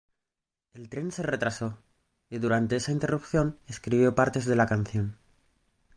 El tren se retrasó, y durante esa interrupción escribió partes de la canción.